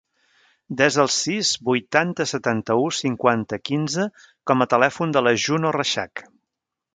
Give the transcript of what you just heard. Desa el sis, vuitanta, setanta-u, cinquanta, quinze com a telèfon de la Juno Reixach.